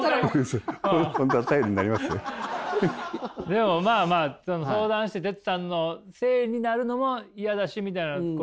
でもまあまあ相談してテツさんのせいになるのも嫌だしみたいなこと。